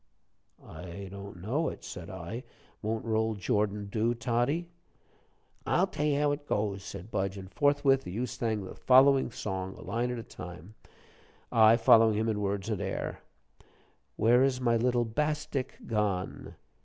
"I don't know it," said I. "Won't 'Roll, Jordan,' do, Toddie?" "I'll tell you how it goes," said Budge, and forthwith the youth sang the following song, a line at a time, I following him in words and air: "Where is my little bastik gone?"